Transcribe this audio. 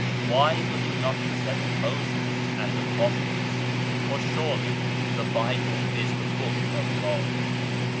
Why will you not accept Moses and the Prophets, for surely the Bible is the Book of God